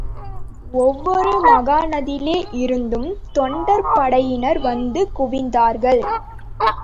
ஒவ்வொரு மாகாணத்திலே இருந்தும் தொண்டர் படையினர் வந்து குவிந்தார்கள்.